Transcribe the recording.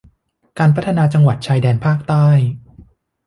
การพัฒนาจังหวัดชายแดนภาคใต้